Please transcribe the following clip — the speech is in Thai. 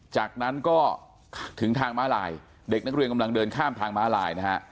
จากนั้นก็ถึงทางม้าลายเด็กนักเรียนกำลังเดินข้ามทางม้าลายนะฮะ